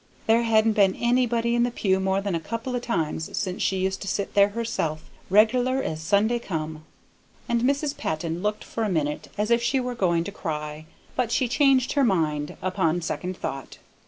There hadn't been anybody in the pew more than a couple o' times since she used to sit there herself, regular as Sunday come." And Mrs. Patton looked for a minute as if she were going to cry, but she changed her mind upon second thought.